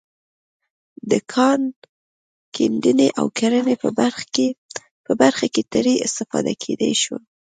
د کان کیندنې او کرنې په برخه کې ترې استفاده کېدای شوه.